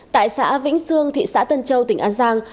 tại xã vĩnh sương thị xã tân châu tỉnh an giang